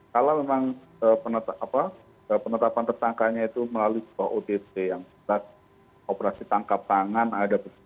kalau memang penetapan apa penetapan tersangkanya itu melalui ott yang sudah operasi tangkap tangan ada